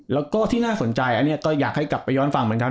แล้วก็ที่น่าสนใจอันนี้ก็อยากให้กลับไปย้อนฟังเหมือนกัน